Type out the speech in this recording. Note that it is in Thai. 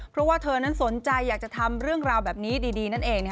เพราะว่าเธอนั้นสนใจอยากจะทำเรื่องราวแบบนี้ดีนั่นเอง